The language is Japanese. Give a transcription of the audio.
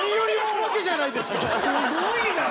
すごいな。